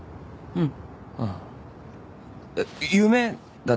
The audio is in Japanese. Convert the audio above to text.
うん。